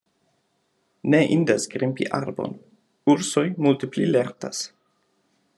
Ne indas grimpi arbon: ursoj multe pli lertas.